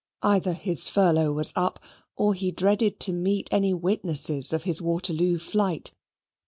Either his furlough was up, or he dreaded to meet any witnesses of his Waterloo flight.